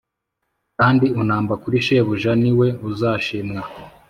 kandi unamba kuri shebuja ni we uzashimwa